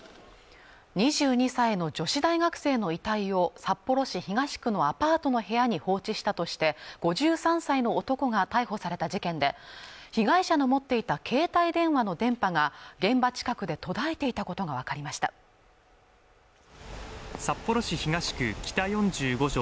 ２２歳の女子大学生の遺体を札幌市東区のアパートの部屋に放置したとして５３歳の男が逮捕された事件で被害者の持っていた携帯電話の電波が現場近くで途絶えていたことが分かりました札幌市東区北４５条